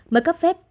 mời cấp phép